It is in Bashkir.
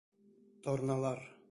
ТОРНАЛАР